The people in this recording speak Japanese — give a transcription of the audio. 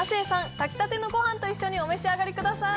炊きたてのごはんと一緒にお召し上がりください